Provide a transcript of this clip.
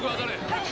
はい！